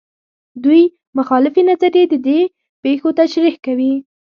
دوې مخالفې نظریې د دې پېښو تشریح کوي.